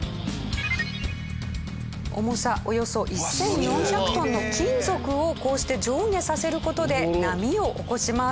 重さおよそ１４００トンの金属をこうして上下させる事で波を起こします。